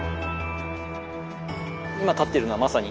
今立ってるのはまさに。